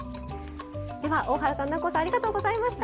では大原さん南光さんありがとうございました。